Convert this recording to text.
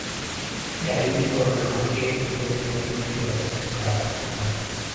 Dalili kwa wanawake wenye ugonjwa wa kisukari